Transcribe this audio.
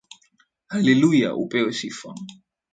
Hallelujah upewe sifa